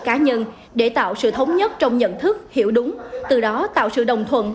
cá nhân để tạo sự thống nhất trong nhận thức hiểu đúng từ đó tạo sự đồng thuận